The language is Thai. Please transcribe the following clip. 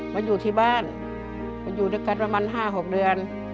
มาอยู่ที่บ้านมาอยู่ด้วยกันประมาณ๕๖เดือน